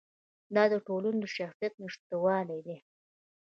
دا د ټولنې د شخصیت نشتوالی دی.